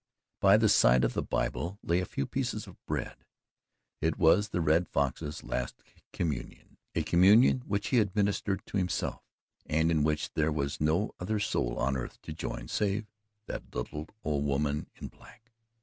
By the side of the Bible lay a few pieces of bread. It was the Red Fox's last communion a communion which he administered to himself and in which there was no other soul on earth to join save that little old woman in black.